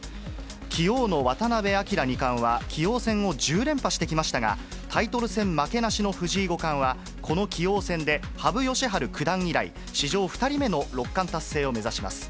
棋王の渡辺明二冠は、棋王戦を１０連覇してきましたが、タイトル戦負けなしの藤井五冠は、この棋王戦で羽生善治九段以来、史上２人目の六冠達成を目指します。